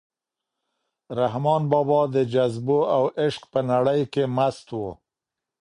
رحمان بابا د جذبو او عشق په نړۍ کې مست و.